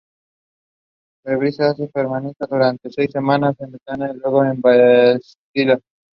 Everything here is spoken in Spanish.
La brisa se hace fermentar durante seis semanas en barricas y luego se destila.